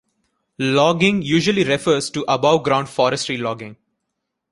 Logging usually refers to above-ground forestry logging.